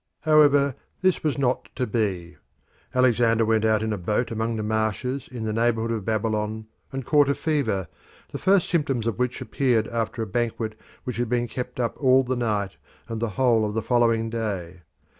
However, this was not to be. Alexander went out in a boat among the marshes in the neighbourhood of Babylon and caught a fever, the first symptoms of which appeared after a banquet which had been kept up all the night and the whole of the following day.